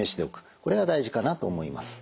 これが大事かなと思います。